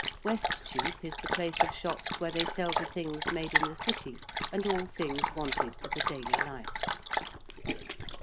West Chepe is the place of shops where they sell the things made in the City and all things wanted for the daily life.